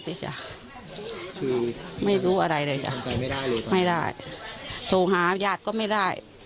จ้ะคือไม่รู้อะไรเลยจ้ะไม่ได้โทรหาญาติก็ไม่ได้